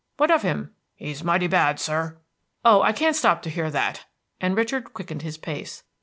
"What of him?" "He's mighty bad, sir." "Oh, I can't stop to hear that," and Richard quickened his pace.